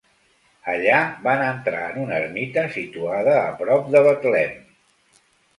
Allà van entrar en una ermita situada a prop de Betlem.